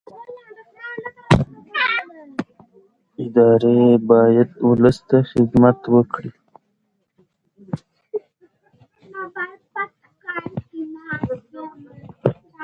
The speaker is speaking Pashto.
ادارې باید ولس ته خدمت وکړي